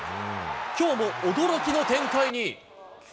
きょうも驚きの展開に。